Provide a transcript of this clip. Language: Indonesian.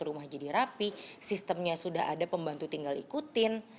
rumah jadi rapi sistemnya sudah ada pembantu tinggal ikutin